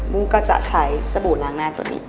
มุ่งก็จะใช้สบู่ล้างหน้าตัวนี้